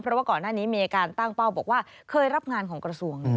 เพราะว่าก่อนหน้านี้มีอาการตั้งเป้าบอกว่าเคยรับงานของกระทรวง